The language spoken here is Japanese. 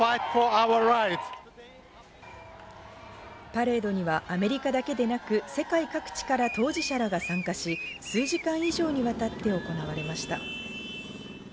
パレードにはアメリカだけでなく世界各地から当事者らが参加し、数時間以上にわたって行われました。